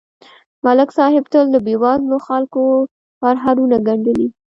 ملک صاحب تل د بېوزلو خلکو پرهارونه گنډلي